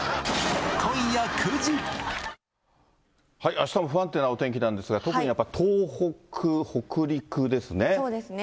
あしたも不安定なお天気なんですが、特にやっぱり東北、そうですね。